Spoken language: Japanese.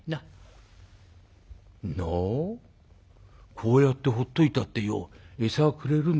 こうやってほっといたってよ餌くれるんだよ。